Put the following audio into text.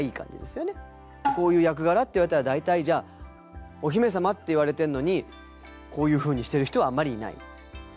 こういう役柄って言われたら大体じゃあお姫様って言われてるのにこういうふうにしてる人はあんまりいない。